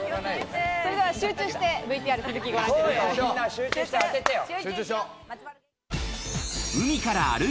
それでは集中してＶＴＲの続きをご覧ください。